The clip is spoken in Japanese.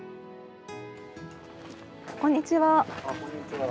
こんにちは。